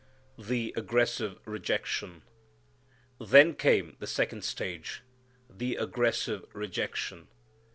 The Aggressive Rejection. Then came the second stage, _the aggressive rejection.